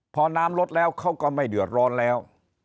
พอน้ำลดแล้วเขาก็ไม่เดือดร้อนแล้ว